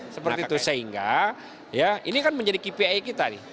seperti itu sehingga ini kan menjadi kpi kita nih